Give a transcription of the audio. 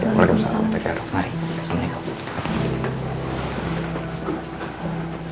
waalaikumsalam tegyarok mari assalamualaikum